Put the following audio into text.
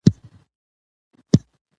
که میندې دلته پاتې شي نو نسل به نه ورکيږي.